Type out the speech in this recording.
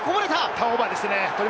ターンオーバーですね。